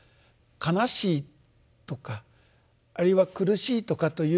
悲しいとかあるいは苦しいとかということ。